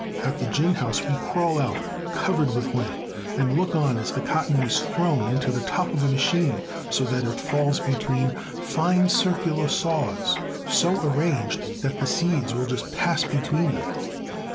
At the ginhouse we crawl out, covered with lint, and look on as the cotton is thrown into the top of a machine so that it falls between fine circular saws so arranged that the seeds will just pass between them.